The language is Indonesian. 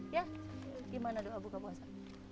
ya gimana doa buka puasa